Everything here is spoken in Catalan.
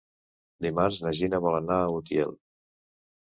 Dimarts na Gina vol anar a Utiel.